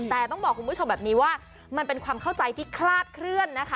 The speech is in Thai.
แต่ต้องบอกคุณผู้ชมแบบนี้ว่ามันเป็นความเข้าใจที่คลาดเคลื่อนนะคะ